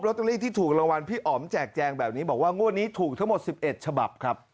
เตอรี่ที่ถูกรางวัลพี่อ๋อมแจกแจงแบบนี้บอกว่างวดนี้ถูกทั้งหมด๑๑ฉบับครับ